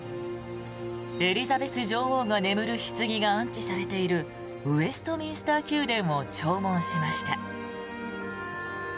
エリザベス女王が眠るひつぎが安置されているウェストミンスター宮殿を弔問しました。